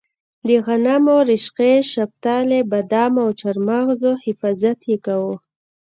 د غنمو، رشقې، شپتلې، بادامو او چارمغزو حفاظت یې کاوه.